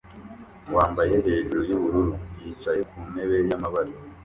wambaye hejuru yubururu yicaye ku ntebe yamabara